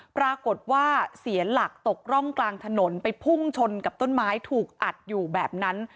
ปรากฏว่าเสียหลักตกร่องกลางถนนไปพุ่งชนกับต้นไม้ถูกอัดอยู่แบบนั้น